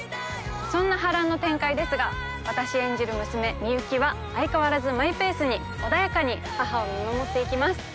そんな波乱の展開ですが私演じる娘みゆきは相変わらずマイペースに穏やかに母を見守っていきます